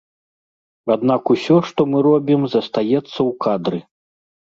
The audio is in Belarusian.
Аднак усё, што мы робім, застаецца ў кадры.